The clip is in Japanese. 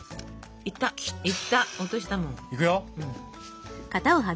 いくよ？